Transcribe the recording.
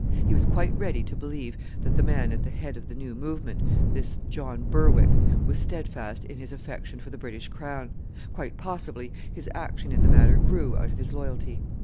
He was quite ready to believe that the man at the head of the new movement this John Berwick was steadfast in his affection for the British Crown; quite possibly his action in the matter grew out of his loyalty.